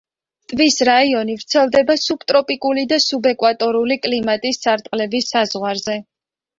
ტბის რაიონი ვრცელდება სუბტროპიკული და სუბეკვატორული კლიმატის სარტყლების საზღვარზე.